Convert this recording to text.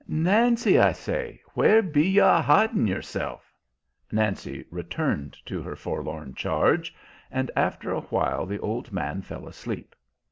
Nancy, I say, where be you a hidin' yourself?" Nancy returned to her forlorn charge, and after a while the old man fell asleep.